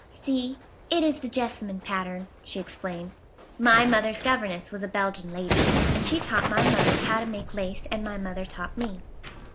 "See, it is the jessamine pattern," she explained. "My mother's governess was a Belgian lady, and she taught my mother how to make lace and my mother taught me."